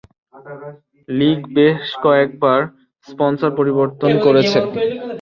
লীগ বেশ কয়েকবার স্পন্সর পরিবর্তন করেছে।